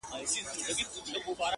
په مېلو سر اتیا سلنه